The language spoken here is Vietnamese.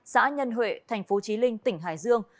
xã nhân huệ tp trí linh tỉnh hải dương